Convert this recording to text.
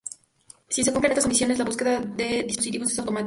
Si se cumplen estas condiciones, la búsqueda de dispositivos es automática.